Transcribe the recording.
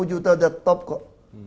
sepuluh juta udah top kok